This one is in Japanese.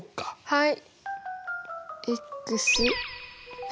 はい。